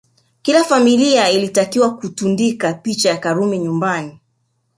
Kila familia ilitakiwa kutundika picha ya Karume nyumbani